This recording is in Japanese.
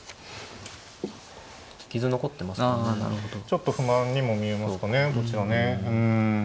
ちょっと不満にも見えますかねこちらね。